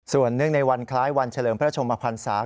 ส่วนเนื่องในวันคล้ายวันเฉลิมพระชมพันศา